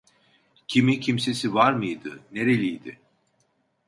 Kimi kimsesi var mıydı? Nereliydi?